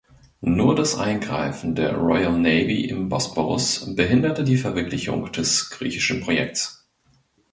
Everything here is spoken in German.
Nur das Eingreifen der Royal Navy im Bosporus behinderte die Verwirklichung des Griechischen Projekts.